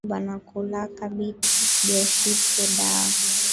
Kongolo banakulaka bitu byashipo dawa